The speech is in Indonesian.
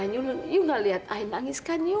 kamu gak lihat aku nangiskan kamu